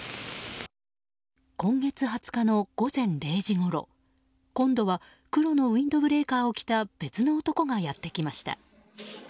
今月２０日の午前０時ごろ今度は黒のウインドブレーカーを着た別の男がやってきました。